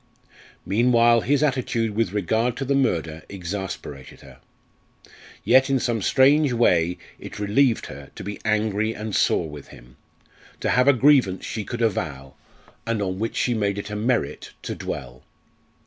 Meanwhile his attitude with regard to the murder exasperated her. Yet, in some strange way it relieved her to be angry and sore with him to have a grievance she could avow, and on which she made it a merit to dwell.